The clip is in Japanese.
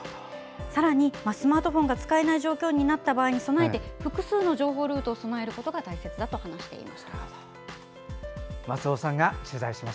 さらに、スマートフォンが使えない状況になった場合に備え複数の情報ルートを備えることが大事だとおっしゃっていました。